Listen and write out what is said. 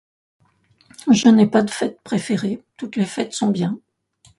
Je n'ai pas de fête préférée, toutes les fêtes sont bien.